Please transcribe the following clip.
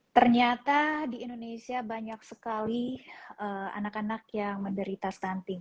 ternyata di indonesia banyak sekali anak anak yang menderita stunting